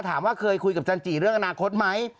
ถามว่าเคยคุยกับจันจิเรื่องอนาคตไหม